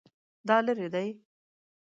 دا لیرې دی؟